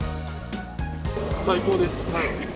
最高です。